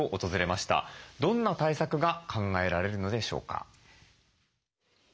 どんな対策が考えられるのでしょうか。